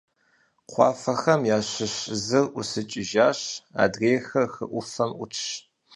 Кхъуафэхэм ящыщ зыр ӀусыкӀыжащ, адрейхэр хы Ӏуфэм Ӏутщ.